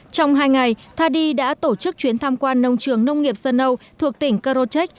trong hai ngày tha đi đã tổ chức chuyến tham quan nông trường nông nghiệp sơn âu thuộc tỉnh karocheck